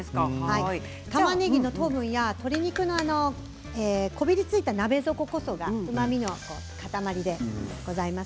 たまねぎの糖分や鶏肉のこびりついた鍋底こそがうまみの塊でございます。